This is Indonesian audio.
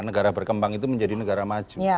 negara berkembang itu menjadi negara maju